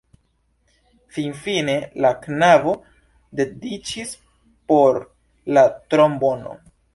Finfine la knabo decidiĝis por la trombono.